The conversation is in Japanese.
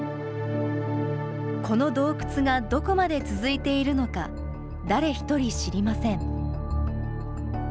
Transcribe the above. この洞窟がどこまで続いているのか、誰一人知りません。